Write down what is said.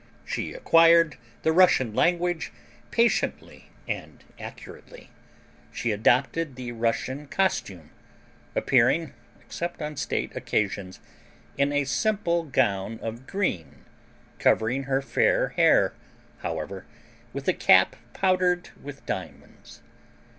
She acquired the Russian language patiently and accurately. She adopted the Russian costume, appearing, except on state occasions, in a simple gown of green, covering her fair hair, however, with a cap powdered with diamonds.